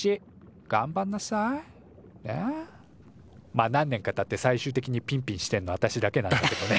まっ何年かたって最終的にピンピンしてんのはあたしだけなんだけどね。